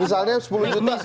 misalnya sepuluh juta